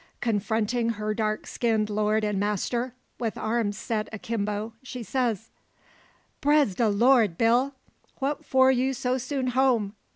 Confronting her dark skinned lord and master, with arms set akimbo, she says, "Bress de Lor', Bill! Wha' for you so soon home?